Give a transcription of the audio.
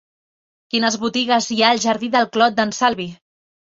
Quines botigues hi ha al jardí del Clot d'en Salvi?